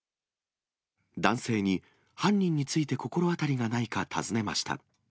男性に犯人について心当たりがないか尋ねました。